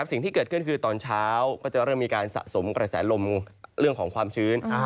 สิ่งที่เกิดขึ้นคือตอนเช้าก็จะเริ่มมีการสะสมกระแสลมเรื่องของความชื้น